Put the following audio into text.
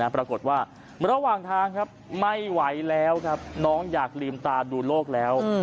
ปรากฏว่าระหว่างทางครับไม่ไหวแล้วครับน้องอยากลืมตาดูโลกแล้ว